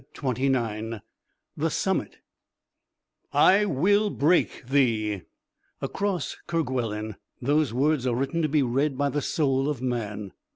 CHAPTER XXIX THE SUMMIT "I will break thee." Across Kerguelen those words are written to be read by the soul of man.